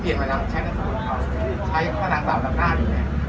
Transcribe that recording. เปลี่ยนมานั่งใช้หนังสาวของเขาใช้หนังสาวด้านหน้าอยู่เนี่ย